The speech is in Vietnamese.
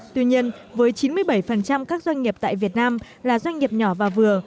tuy nhiên với chín mươi bảy các doanh nghiệp tại việt nam là doanh nghiệp nhỏ và vừa